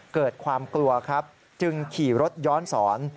เกิดความกลัวครับจึงขี่รถย้อนสอน